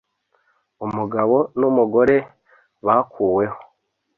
umugabo n'umugore bakuweho